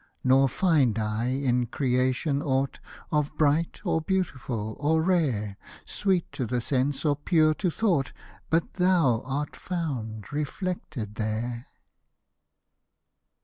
Nor find I in creation aught Of bright, or beautiful, or rare. Sweet to the sense, or pure to thought, But thou art found reflected there.